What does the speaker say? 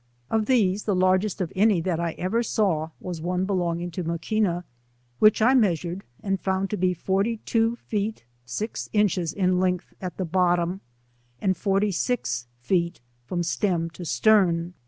Of these, the largest of any that I ever saw, was one belonging to Macqiiina, which I measured, and found to be forty tzco feet six inches in length at the bottom, and fortij six feet from stem to stern.